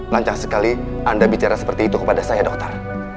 lancar sekali anda bicara seperti itu kepada saya dokter